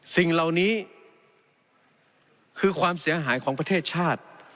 สิ่งเหล่านี้คือความเสียหายของประเทศชาติ